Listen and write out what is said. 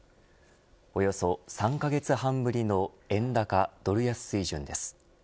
およそ３カ月半ぶりの円高ドル安水準です。